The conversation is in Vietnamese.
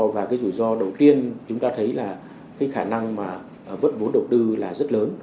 và cái rủi ro đầu tiên chúng ta thấy là cái khả năng mà vận vốn đầu tư là rất lớn